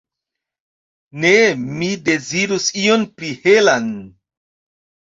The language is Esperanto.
Ne, mi dezirus ion pli helan.